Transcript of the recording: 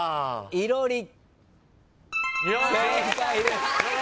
正解です。